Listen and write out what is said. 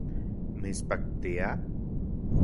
¿Mitspaktia?